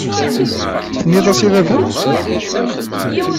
Tenniḍ-as i baba-m?